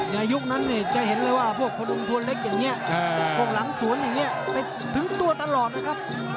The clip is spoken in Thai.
ยุคนั้นจะเห็นเลยว่าพวกพนมทวนเล็กอย่างนี้พวกหลังสวนอย่างนี้ไปถึงตัวตลอดนะครับ